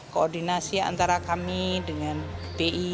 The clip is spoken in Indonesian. koordinasi antara kami dengan bi